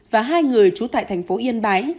và hai người trú tại thành phố yên bái